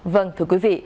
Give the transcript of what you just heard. vâng thưa quý vị